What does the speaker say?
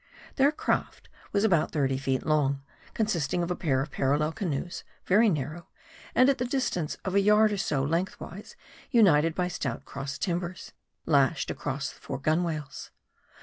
Their craft was about thirty feet long, consisting of a pair of parallel canoes, very narrow, and at the distance of a yard or so, lengthwise, united by stout cross timbers, lashed across the four gunwales.